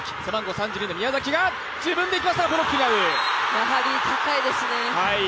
やはり高いですね。